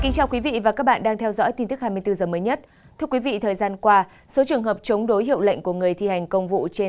các bạn hãy đăng ký kênh để ủng hộ kênh của chúng mình nhé